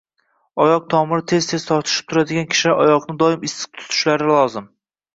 Oyoq tomiri tez-tez tortishib turadigan kishilar oyoqni doim issiq tutishlari lozim.